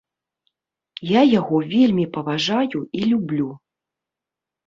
Я яго вельмі паважаю і люблю.